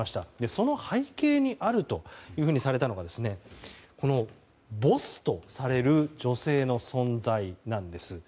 その背景にあるとされたのがボスとされる女性の存在なんです。